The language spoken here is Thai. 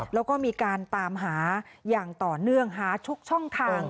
แล้วก็มีการตามหาอย่างต่อเนื่องหาทุกช่องทาง